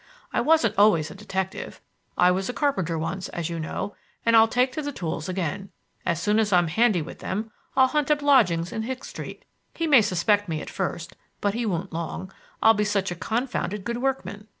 I wasn't always a detective. I was a carpenter once, as you know, and I'll take to the tools again. As soon as I'm handy with them I'll hunt up lodgings in Hicks Street. He may suspect me at first, but he won't long; I'll be such a confounded good workman.